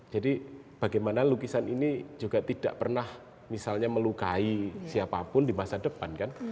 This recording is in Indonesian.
jadi bagaimana lukisan ini juga tidak pernah melukai siapapun di masa depan